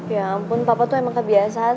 ya ampun papa tuh emang kebiasaan